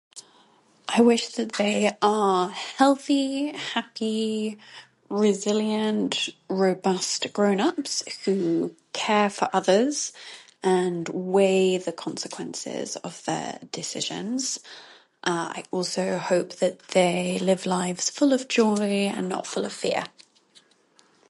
I wish that they are healthy, happy, resilient, robust grown ups, who care for others and weigh the consequences of their decisions. I also hope that they live lives full of joy and not full of fear.